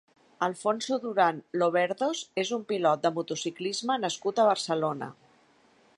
Alfonso Durán Loverdos és un pilot de motociclisme nascut a Barcelona.